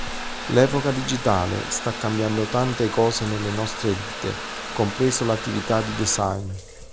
L'Epoca Digitale sta cambiando tante cose nelle nostre vite, compreso l'attività di design.